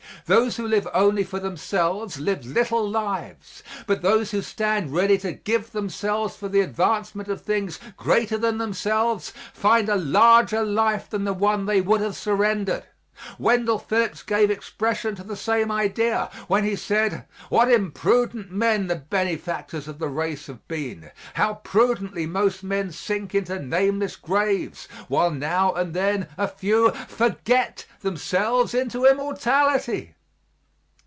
Those who live only for themselves live little lives, but those who stand ready to give themselves for the advancement of things greater than themselves find a larger life than the one they would have surrendered. Wendell Phillips gave expression to the same idea when he said, "What imprudent men the benefactors of the race have been. How prudently most men sink into nameless graves, while now and then a few forget themselves into immortality."